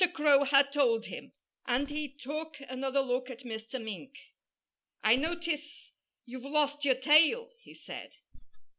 Crow had told him. And he took another look at Mr. Mink. "I notice you've lost your tail," he said.